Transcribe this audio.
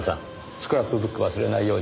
スクラップブック忘れないように。